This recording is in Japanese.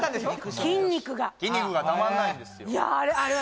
筋肉がたまんないんですよ